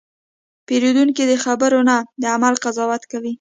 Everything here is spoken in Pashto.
پیرودونکی د خبرو نه، د عمل قضاوت کوي.